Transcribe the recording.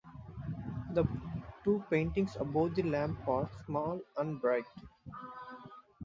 The two paintings above the lamp are small and bright.